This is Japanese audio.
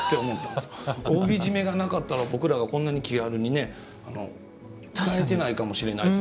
帯締めがなかったら僕らがこんなに気軽にね使えてないかもしれないです。